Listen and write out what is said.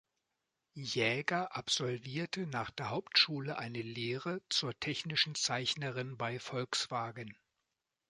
Jäger absolvierte nach der Hauptschule eine Lehre zur technischen Zeichnerin bei Volkswagen.